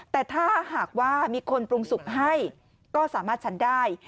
แต่ถ้าหากว่ามีคนปรุงสุกให้ก็สามารถฉันได้